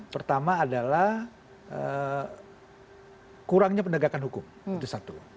pertama adalah kurangnya penegakan hukum itu satu